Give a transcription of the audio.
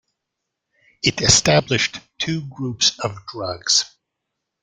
It established two groups of drugs.